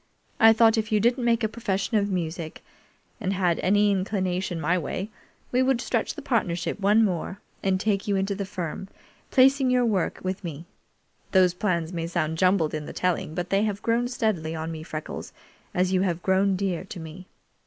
I thought if you didn't make a profession of music, and had any inclination my way, we would stretch the partnership one more and take you into the firm, placing your work with me. Those plans may sound jumbled in the telling, but they have grown steadily on me, Freckles, as you have grown dear to me."